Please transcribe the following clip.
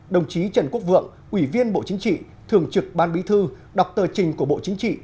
đồng chí trần quốc vượng ủy viên bộ chính trị thường trực ban bí thư đọc tờ trình của bộ chính trị